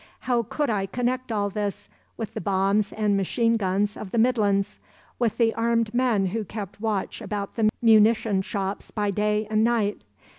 How could I connect all this with the bombs and machine guns of the Midlands, with the armed men who kept watch about the munition shops by day and night.